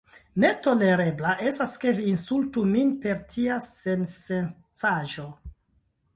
“Ne tolereble estas ke vi insultu min per tia sensencaĵo.”